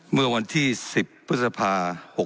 เมื่อวันที่๑๐พฤษภา๖๖